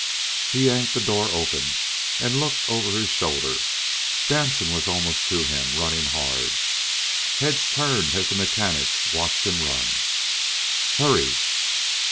He yanked the door open and looked over his shoulder. Danson was almost to him, running hard. Heads turned as the mechanics watched him run. "Hurry!"